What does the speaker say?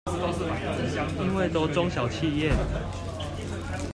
因為都中小企業？